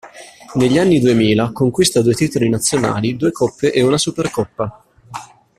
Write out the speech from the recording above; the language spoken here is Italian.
Negli anni duemila conquista due titoli nazionali, due coppe e una supercoppa.